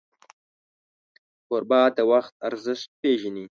کوربه د وخت ارزښت پیژني.